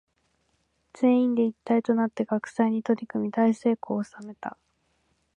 全員で一体となって学祭に取り組み大成功を収めた。